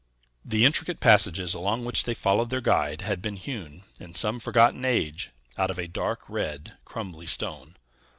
The intricate passages along which they followed their guide had been hewn, in some forgotten age, out of a dark red, crumbly stone.